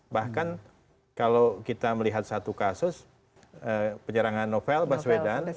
bahkan kalau kita melihat satu kasus penyerangan novel baswedan